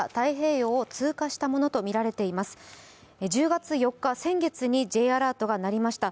１０月４日、先月にＪアラートが鳴りました。